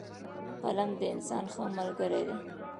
قلم د انسان ښه ملګری دی